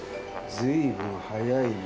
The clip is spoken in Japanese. ずいぶん早いねえ。